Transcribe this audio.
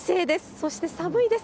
そして寒いです。